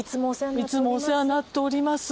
いつもお世話になっております。